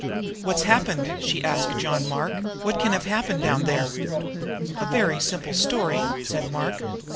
"What's happened?" she asked of John Mark. "What can have happened down there?" "A very simple story," said Mark.